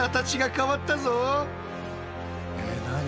えっ何？